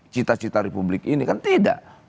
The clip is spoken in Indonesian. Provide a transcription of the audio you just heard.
cita cita republik ini kan tidak